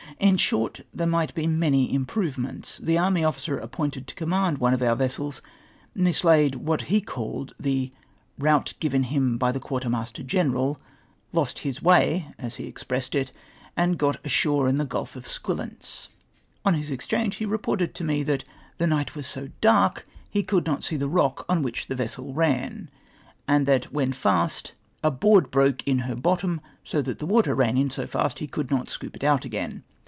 In short, there might be many improvements. The army officer appointed to command one of our vessels mislaid what he called the "route given Jtim by the Qiiarter Master Genercd!'" "lost his way,^' as he expressed it, and got ashore in the Grulf of Squillace. On his exchange he reported to me that " the night was so dark, he could not see the rock on which the vessel ran!" and that when fast, "a hoard broke in her bottom, so that the water ran in so fast, he could not scoop it out again